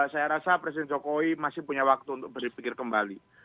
saya rasa presiden jokowi masih punya waktu untuk berpikir kembali